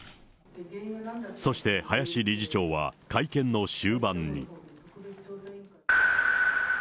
そして林理事長は、会見の終盤に。